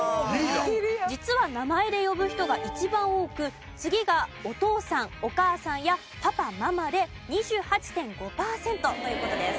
実は名前で呼ぶ人が一番多く次がお父さん・お母さんやパパ・ママで２８．５パーセントという事です。